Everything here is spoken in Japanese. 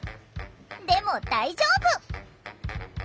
でも大丈夫！